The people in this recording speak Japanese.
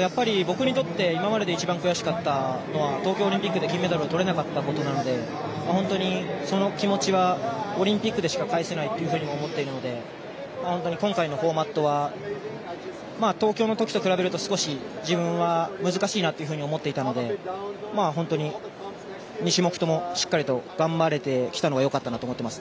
やっぱり、僕にとって今までで一番悔しかったのは東京オリンピックで金メダルをとれなかったことなので本当にその気持ちはオリンピックでしか返せないと思っているので本当に、今回のフォーマットは東京の時と比べると少し自分は難しいなと思っていたので本当に、２種目ともしっかり頑張れてきたのはよかったかなと思っています。